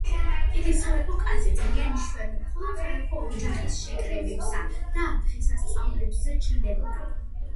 იგი სამეფო კარზე ძალიან იშვიათად, მხოლოდ სამეფო ოჯახის შეკრებებსა და დღესასწაულებზე ჩნდებოდა.